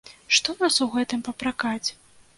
Што нас у гэтым папракаць?